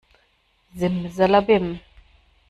Simsalabim!